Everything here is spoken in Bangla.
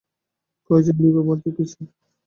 কয়জন নিবে বলেছে কিছু?